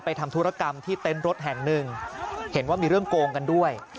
ทำธุรกรรมที่เต็นต์รถแห่งหนึ่งเห็นว่ามีเรื่องโกงกันด้วย